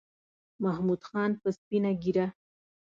محمود خان په سپینه ګیره